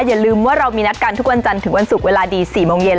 อย่าลืมว่าเรามีนัดกันทุกวันจันทร์ถึงวันศุกร์เวลาดี๔โมงเย็น